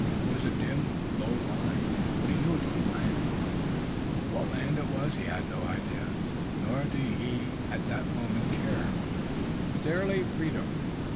It was a dim low line, but he knew it to be land. What land it was he had no idea, nor did he at the moment care, but there lay freedom.